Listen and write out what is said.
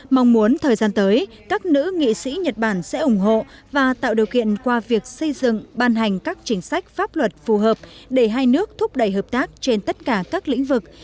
mong muốn thời gian tới các nữ nghị sĩ nhật bản sẽ ủng hộ và tạo điều kiện qua việc xây dựng ban hành các chính sách pháp luật phù hợp để hai nước thúc đẩy hợp tác trên tất cả các lĩnh vực